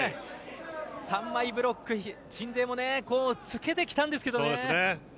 ３枚ブロック、鎮西もつけてきたんですけどね。